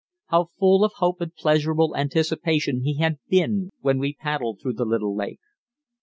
How full of hope and pleasurable anticipation he had been when we paddled through the Little Lake!